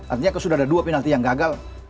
artinya sudah ada dua penalti yang gagal